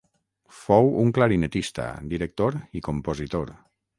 Fou un clarinetista, director i compositor.